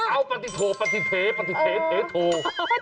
เอ้าปฏิโทษปฏิเผยปฏิเผยปฏิเผยโทษ